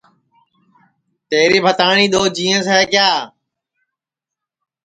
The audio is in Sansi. تیری بھتاٹؔی دؔو جینٚیس ہے کیا